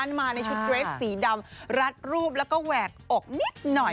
มาในชุดเรสสีดำรัดรูปแล้วก็แหวกอกนิดหน่อย